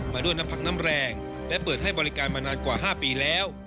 มาด้วยน้ำพักน้ำแรงและเปิดให้บริการมานานกว่า๕ปีแล้ว